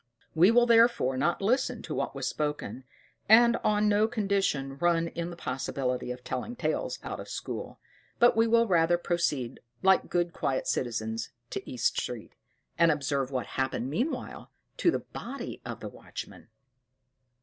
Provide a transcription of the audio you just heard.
We will, therefore, not listen to what was spoken, and on no condition run in the possibility of telling tales out of school; but we will rather proceed, like good quiet citizens, to East Street, and observe what happened meanwhile to the body of the watchman.